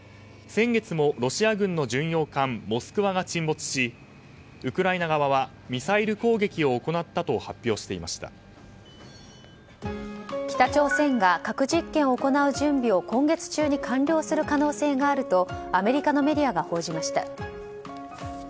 先月もロシア軍の巡洋艦「モスクワ」が沈没しウクライナ側はミサイル攻撃を行ったと北朝鮮が核実験を行う準備を今月中に完了する可能性があるとアメリカのメディアが報じました。